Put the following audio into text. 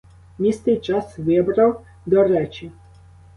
Місце і час вибрав до речі.